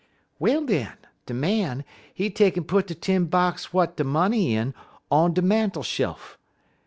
"Well, den, de Man, he take'n put de tin box w'at de money in on de mantel shel uf.